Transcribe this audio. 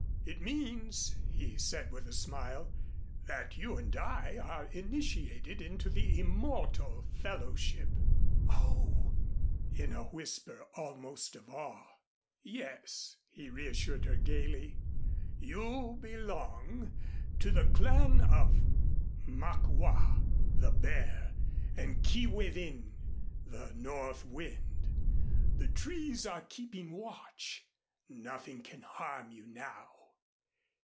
It means," he said with a smile, "that you and I are initiated into the Immortal Fellowship." "Oh!" in a whisper, almost of awe. "Yes," he reassured her gaily, "you belong to the Clan of Mak wa, the Bear, and Kee way din, the North Wind. The trees are keeping watch. Nothing can harm you now."